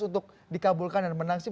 untuk dikabulkan dan menang sih